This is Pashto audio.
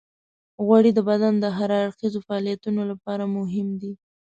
غوړې د بدن د هر اړخیزو فعالیتونو لپاره مهمې دي.